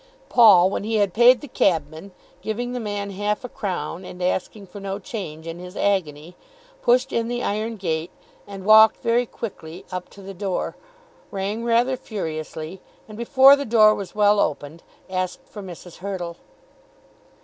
Paul, when he had paid the cabman, giving the man half a crown, and asking for no change in his agony, pushed in the iron gate and walked very quickly up to the door, rang rather furiously, and before the door was well opened asked for Mrs. Hurtle.